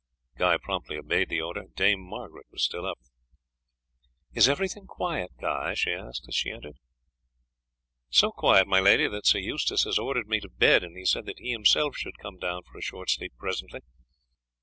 Guy promptly obeyed the order. Dame Margaret was still up. "Is everything quiet, Guy?" she asked as she entered, "So quiet, my lady, that Sir Eustace has ordered me to bed, and he said that he himself should come down for a short sleep presently.